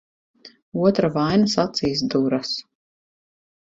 Otra vainas acīs duras.